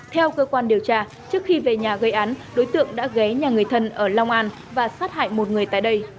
theo cơ quan điều tra trước khi về nhà gây án đối tượng đã ghé nhà người thân ở long an và sát hại một người tại đây